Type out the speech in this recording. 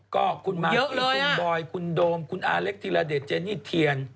ก็คุณมากอี้คุณบอยคุณโดมคุณอาเล็กธิระเดชเจนี่เทียน